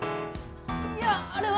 いいやあれは。